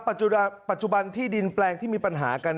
ปัจจุบันที่ดินแปลงที่มีปัญหากัน